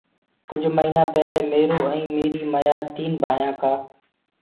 ڪجھ مهيٚنا پيلي ميرو ائيٚنٚ ميريٚ مَيآ تينٚ ڀآيآنٚ ڪآ